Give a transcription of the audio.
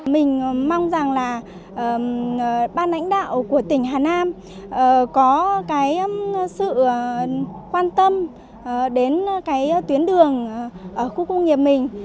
mình mong rằng là ban lãnh đạo của tỉnh hà nam có sự quan tâm đến tuyến đường khu công nghiệp mình